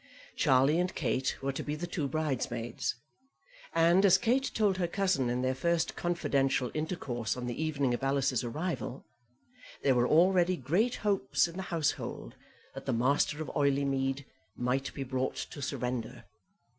Charlie and Kate were to be the two bridesmaids, and, as Kate told her cousin in their first confidential intercourse on the evening of Alice's arrival, there were already great hopes in the household that the master of Oileymead might be brought to surrender.